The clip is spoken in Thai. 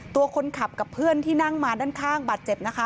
ตัวคนขับกับเพื่อนที่นั่งมาด้านข้างบาดเจ็บนะคะ